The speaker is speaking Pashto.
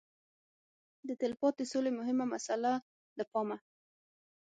د تلپاتې سولې مهمه مساله له پامه